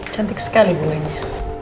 cantik sekali bunganya